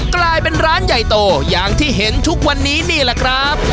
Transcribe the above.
กลายเป็นร้านใหญ่โตอย่างที่เห็นทุกวันนี้นี่แหละครับ